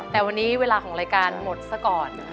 แต่วันนี้เวลาของรายการหมดซะก่อน